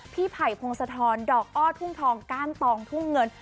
ไผ่พงศธรดอกอ้อทุ่งทองก้านตองทุ่งเงิน